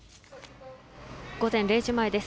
午前０時前です。